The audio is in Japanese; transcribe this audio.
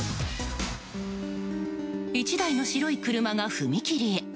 １台の白い車が踏切へ。